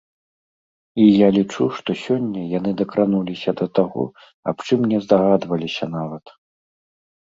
І я лічу, што сёння яны дакрануліся да таго, аб чым не здагадваліся нават.